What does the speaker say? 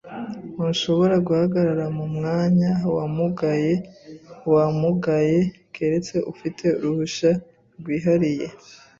Ntushobora guhagarara mumwanya wamugaye wamugaye keretse ufite uruhushya rwihariye.